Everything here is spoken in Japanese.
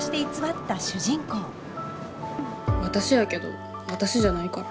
私やけど私じゃないから。